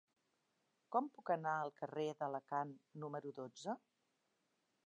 Com puc anar al carrer d'Alacant número dotze?